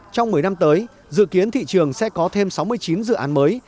trong một mươi năm tới dự kiến thị trường sẽ có thêm sáu mươi chín dự án mới